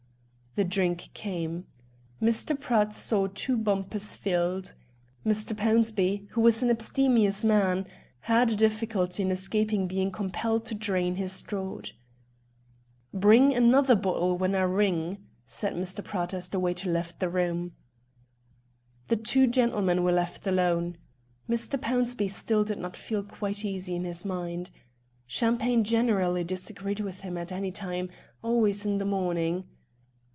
The drink came. Mr. Pratt saw two bumpers filled. Mr. Pownceby, who was an abstemious man, had a difficulty in escaping being compelled to drain his draught. "Bring another bottle when I ring," said Mr. Pratt as the waiter left the room. The two gentlemen were left alone. Mr. Pownceby still did not feel quite easy in his mind. Champagne generally disagreed with him at any time, always in the morning.